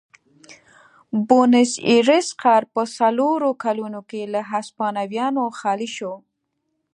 بونیس ایرس ښار په څلورو کلونو کې له هسپانویانو خالي شو.